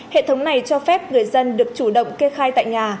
hệ thống này cho phép người dân được chủ động kê khai tại nhà